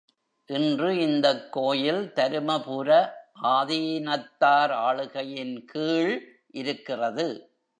இன்று இந்தக் கோயில் தருமபுர ஆதீனத்தார் ஆளுகையின் கீழ் இருக்கிறது.